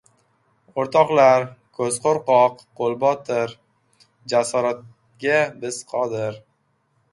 O‘rtoqlar, ko‘z qo‘rqoq, qo‘l botir, jasoratga biz qodir!